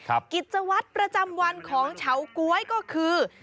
กิจวัตรประจำวันของเฉาก๊วยก็คือ